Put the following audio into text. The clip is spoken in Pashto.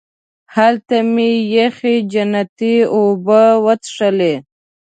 هلته مې یخې جنتي اوبه وڅښلې.